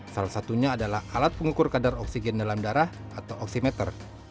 salah satunya adalah alat pengukur kadar oksigen dalam darah atau oksimeter